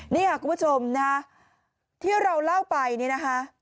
นี่ค่ะคุณผู้ชมนะฮะที่เราเล่าไปนี่นะคะ